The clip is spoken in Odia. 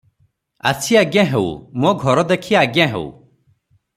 "ଆସି ଆଜ୍ଞା ହେଉ, ମୋ ଘର ଦେଖି ଆଜ୍ଞା ହେଉ ।"